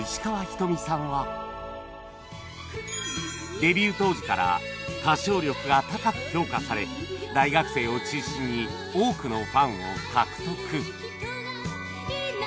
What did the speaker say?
デビュー当時から歌唱力が高く評価され大学生を中心に多くのファンを獲得